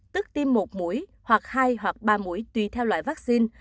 tức tiêm một mũi hoặc hai hoặc ba mũi tùy theo loại vắc xin